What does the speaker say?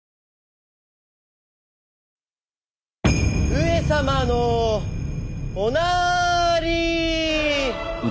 ・上様のおなーりー！